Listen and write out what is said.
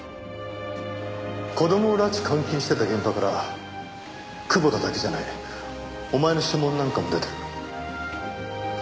子供を拉致監禁してた現場から久保田だけじゃないお前の指紋なんかも出てる。